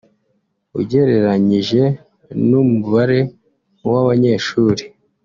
ugereranyije n’umubare w’abanyeshuri